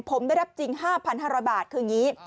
ผมได้รับจริง๕๕๐๐บาทคืออย่างนี้